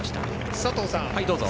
佐藤さん